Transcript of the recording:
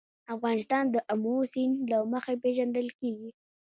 افغانستان د آمو سیند له مخې پېژندل کېږي.